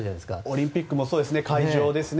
オリンピックもそうですね会場ですね。